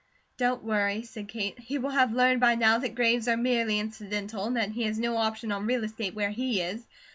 "Don't worry," said Kate. "He will have learned by now that graves are merely incidental, and that he has no option on real estate where he is.